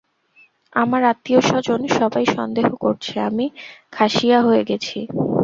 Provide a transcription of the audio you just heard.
আমার আত্মীয়স্বজন সবাই সন্দেহ করছে আমি খাসিয়া হয়ে গেছি।